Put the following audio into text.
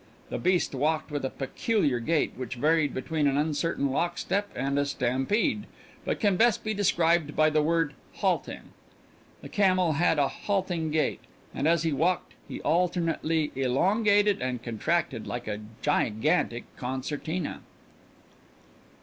The beast walked with a peculiar gait which varied between an uncertain lockstep and a stampede but can best be described by the word "halting." The camel had a halting gait and as he walked he alternately elongated and contracted like a gigantic concertina.